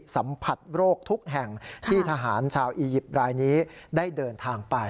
สัมผัสโรคทุกแห่งที่ทหารชาวอียิปต์รายนี้ได้เดินทางไป